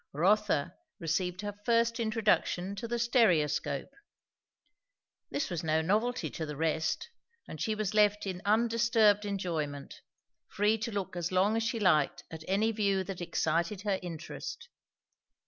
Rotha received her first introduction to the stereoscope. This was no novelty to the rest, and she was left in undisturbed enjoyment; free to look as long as she liked at any view that excited her interest.